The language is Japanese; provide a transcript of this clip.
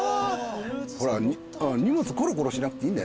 ほら荷物コロコロしなくていいんだよ。